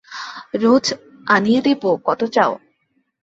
রোজ আনিয়ে দেব– কত চাও?